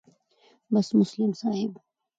بس مسلم صاحب